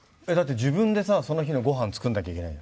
自分でその日のご飯作んなきゃいけない。